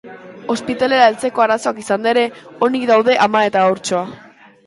Ospitalera heltzeko arazoak izanda ere, onik daude ama eta haurtxoa.